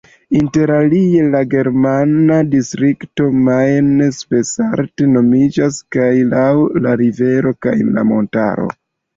Inter alie la germana distrikto Main-Spessart nomiĝas kaj laŭ la rivero kaj la montaro.